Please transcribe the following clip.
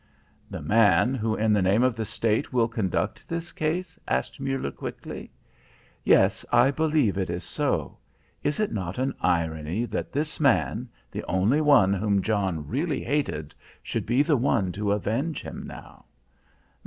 "The man who, in the name of the State, will conduct this case?" asked Muller quickly. "Yes, I believe it is so. Is it not an irony that this man, the only one whom John really hated, should be the one to avenge him now?"